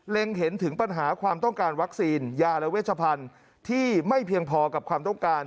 เห็นถึงปัญหาความต้องการวัคซีนยาและเวชพันธุ์ที่ไม่เพียงพอกับความต้องการ